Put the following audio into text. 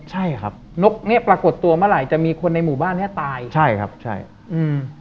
ใช่ครับนกเนี้ยปรากฏตัวเมื่อไหร่จะมีคนในหมู่บ้านเนี้ยตายใช่ครับใช่อืม